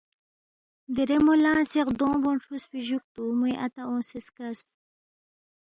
دیرے مو لنگسے غدونگ بونگ کُھروسفی جُوکتُو موے اتا اونگسے سکرس